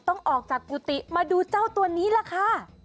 ต้องออกจากกุฏิมาดูเจ้าตัวนี้ล่ะค่ะ